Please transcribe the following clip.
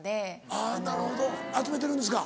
あぁなるほど集めてるんですか？